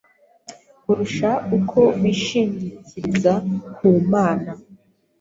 kurusha uko bishingikiriza ku Mana.